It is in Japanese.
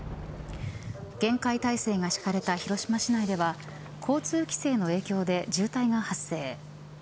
厳戒態勢が敷かれた広島市内では交通規制の影響で渋滞が発生。